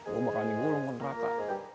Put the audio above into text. gue bakal digulung ke neraka